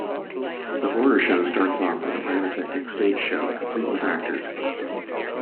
The horror show starts off with a pyrotechnic stage show complete with actors.